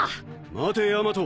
待てヤマト！